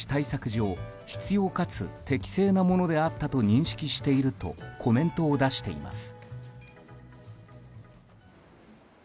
上必要かつ適正なものであったと認識しているとコメントを出しています。